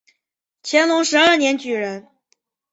乾隆十二年举人。